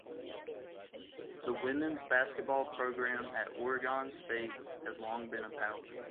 The women's basketball program at Oregon State has long been a power.